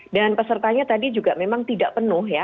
dan pesertanya tadi juga memang tidak penuh ya